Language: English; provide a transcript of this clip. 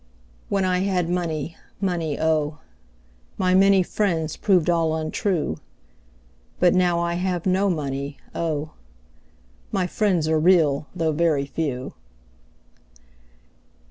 When I had money, money, O! My many friends proved all untrue; But now I have no money, O! My friends are real though very few.